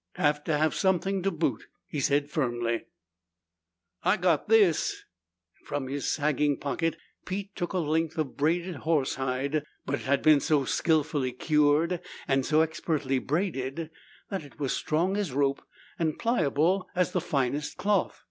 "Have to have something to boot," he said firmly. "I got this." From his sagging pocket Pete took a length of braided horsehide. But it had been so skillfully cured and so expertly braided that it was strong as rope and pliable as the finest cloth.